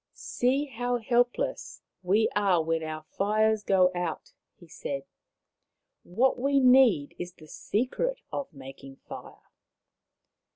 " See how helpless we are when our fires Maui 85 go out," he said. " What we need is the secret of making fire.